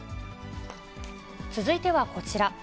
続いてはこちら。